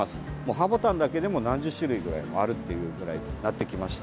葉ボタンだけでも何十種類ぐらいあるってくらいになってきました。